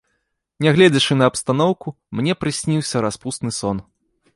Нягледзячы на абстаноўку, мне прысніўся распусны сон.